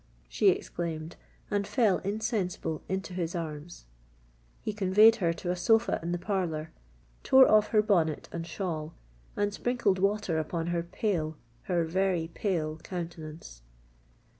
she exclaimed, and fell insensible into his arms. He conveyed her to a sofa in the parlour, tore off her bonnet and shawl, and sprinkled water upon her pale—her very pale countenance.